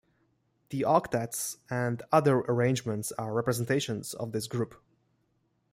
The octets and other arrangements are representations of this group.